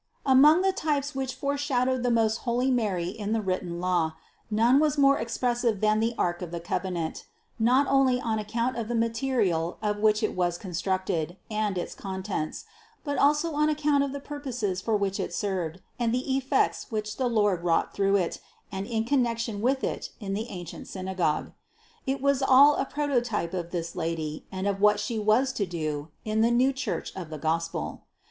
Among the types which foreshadowed the most holy Mary in the written Law, none was more expressive than the ark of the covenant, not only on account of the material of which it was constructed, and its contents, but also on account of the purposes for which it served and the effects which the Lord wrought through it and in connection with it in the ancient synagogue. It was all a prototype of this Lady and of what She was to do in the new Church of the Gospel.